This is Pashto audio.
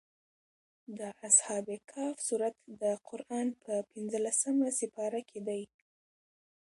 د اصحاب کهف سورت د قران په پنځلسمه سېپاره کې دی.